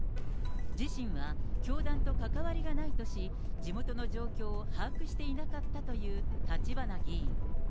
自身は教団と関わりがないとし、地元の状況を把握していなかったという橘議員。